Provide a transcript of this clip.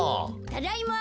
ただいま！